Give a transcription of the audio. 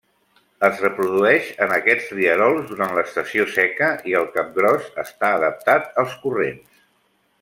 Es reprodueix en aquests rierols durant l'estació seca i el capgròs està adaptat als corrents.